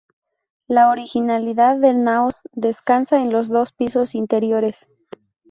La originalidad del naos descansa en los dos pisos interiores.